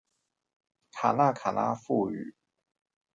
卡那卡那富語